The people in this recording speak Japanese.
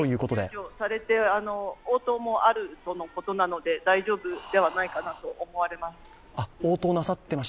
救助されて応答もあるとのことなので大丈夫ではないかなと思われます。